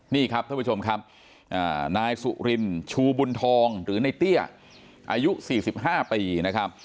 นี่ครับท่านผู้ชมครับนายสุรินชูบุญทองหรือในเตี้ยอายุ๔๕ปีนะครับ